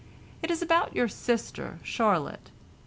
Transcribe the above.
It is about your sister Charlotte.